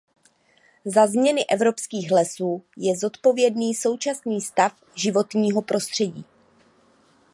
Za změny evropských lesů je zodpovědný současný stav životního prostředí.